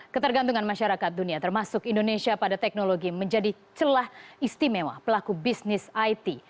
ketergantungan masyarakat dunia termasuk indonesia pada teknologi menjadi celah istimewa pelaku bisnis it